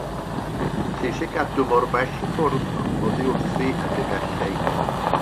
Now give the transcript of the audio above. Ceisiai gadw mor bell i ffwrdd oddi wrthi ag y gallai.